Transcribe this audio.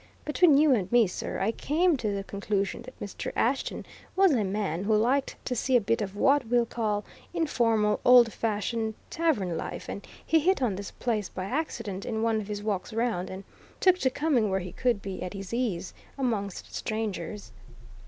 Between you and me, sir, I came to the conclusion that Mr. Ashton was a man who liked to see a bit of what we'll call informal, old fashioned tavern life, and he hit on this place by accident, in one of his walks round, and took to coming where he could be at his ease amongst strangers."